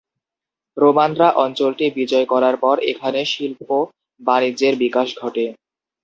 রোমানরা অঞ্চলটি বিজয় করার পর এখানে শিল্প-বাণিজ্যের বিকাশ ঘটে।